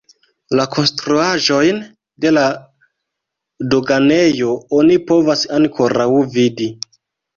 La konstruaĵojn de la doganejo oni povas ankoraŭ vidi.